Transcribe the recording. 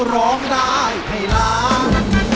ร้องได้ให้ล้าน